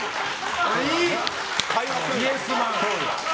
イエスマン。